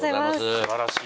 すばらしい。